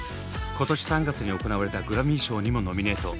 今年３月に行われたグラミー賞にもノミネート！